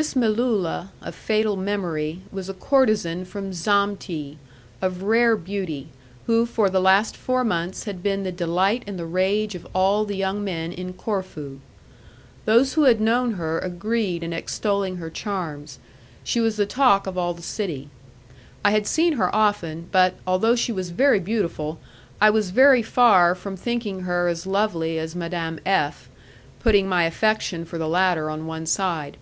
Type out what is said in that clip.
This Melulla, of fatal memory, was a courtezan from Zamte, of rare beauty, who for the last four months had been the delight and the rage of all the young men in Corfu. Those who had known her agreed in extolling her charms: she was the talk of all the city. I had seen her often, but, although she was very beautiful, I was very far from thinking her as lovely as Madame F , putting my affection for the latter on one side.